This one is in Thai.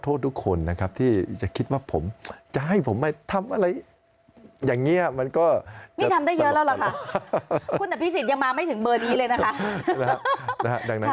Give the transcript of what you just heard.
คุณอภิษฎยังมาไม่ถึงเบอร์นี้เลยนะคะ